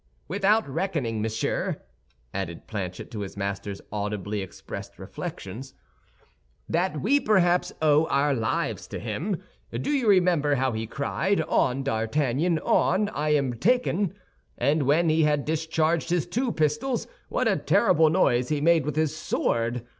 "Without reckoning, monsieur," added Planchet to his master's audibly expressed reflections, "that we perhaps owe our lives to him. Do you remember how he cried, 'On, D'Artagnan, on, I am taken'? And when he had discharged his two pistols, what a terrible noise he made with his sword!